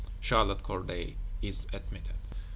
Charlotte Corday is admitted.